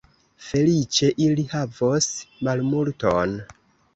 Feliĉe, ili havos malmulton.